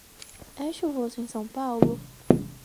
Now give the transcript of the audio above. É chuvoso em São Paulo?